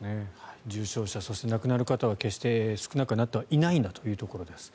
重症者そして、亡くなる方は決して少なくなってはいないんだというところです。